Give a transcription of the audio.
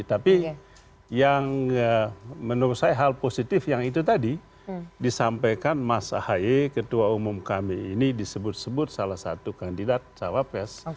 tapi yang menurut saya hal positif yang itu tadi disampaikan mas ahaye ketua umum kami ini disebut sebut salah satu kandidat cawapres